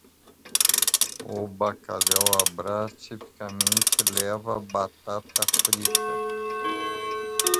O bacalhau à Brás tipicamente leva batata frita.